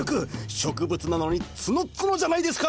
植物なのにツノツノじゃないですか！